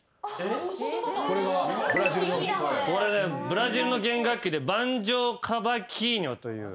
これブラジルの弦楽器でバンジョー・カバキーニョという。